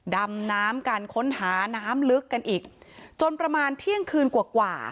ดำน้ำกันค้นหาน้ำลึกกันอีกจนประมาณเที่ยงคืนกว่ากว่า